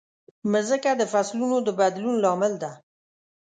مځکه د فصلونو د بدلون لامل ده.